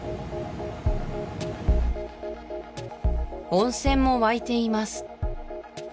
温泉も湧いています